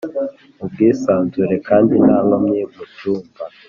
mu bwisanzure kandi nta nkomyi mu cyumba